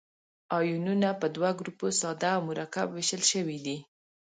آیونونه په دوه ګروپو ساده او مرکب ویشل شوي دي.